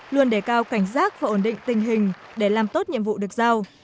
luôn đề cao cảnh giác và ổn định tình hình để làm tốt nhiệm vụ được giao